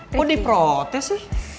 kok di protes sih